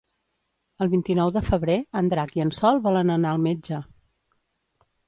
El vint-i-nou de febrer en Drac i en Sol volen anar al metge.